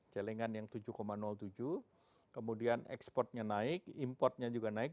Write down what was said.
celengan yang tujuh tujuh kemudian ekspornya naik importnya juga naik